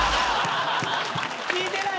聞いてない！